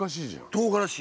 とうがらし。